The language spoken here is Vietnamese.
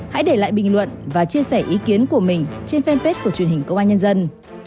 hãy để lại bình luận và chia sẻ ý kiến của mình trên fanpage của truyền hình công an nhân dân